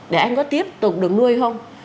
để anh có tiếp tục được nuôi không